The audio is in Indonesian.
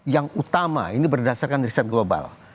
yang utama ini berdasarkan riset global